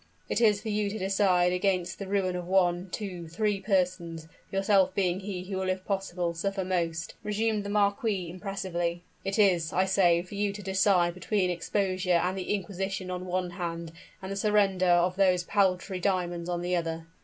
"It is for you to decide against the ruin of one, two, three persons, yourself being he who will, if possible, suffer most," resumed the marquis, impressively "it is, I say, for you to decide between exposure and the inquisition on one hand, and the surrender of those paltry diamonds on the other!"